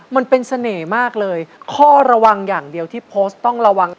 มันเป็นเสน่ห์มากเลยข้อระวังอย่างเดียวที่โพสต์ต้องระวัง